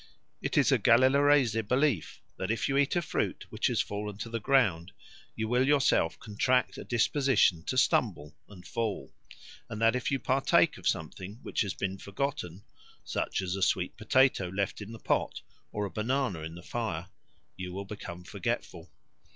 It is a Galelareese belief that if you eat a fruit which has fallen to the ground, you will yourself contract a disposition to stumble and fall; and that if you partake of something which has been forgotten (such as a sweet potato left in the pot or a banana in the fire), you will become forgetful.